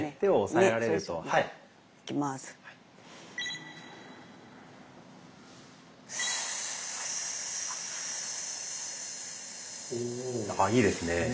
いいですね。